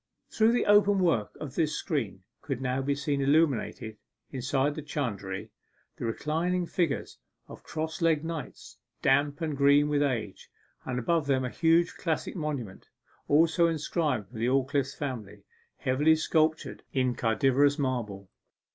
Through the open work of this screen could now be seen illuminated, inside the chantry, the reclining figures of cross legged knights, damp and green with age, and above them a huge classic monument, also inscribed to the Aldclyffe family, heavily sculptured in cadaverous marble.